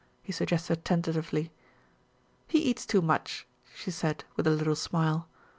he suggested tentatively. "He eats too much," she said, with a little smile.